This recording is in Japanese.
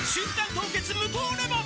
凍結無糖レモン」